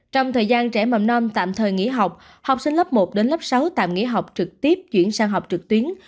trong thời gian trẻ mầm non tạm thời nghỉ học học sinh lớp một đến lớp sáu tạm nghỉ học trực tiếp chuyển sang học trực tuyến